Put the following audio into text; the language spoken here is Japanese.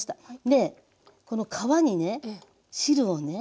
でこの皮にね汁をね